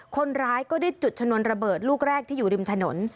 คนร้ายก็ได้จุดชนวนระเบิดลูกแรกที่อยู่ริมถนน